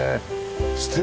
素敵！